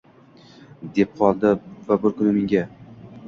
deb qoldi u bir kuni menga. —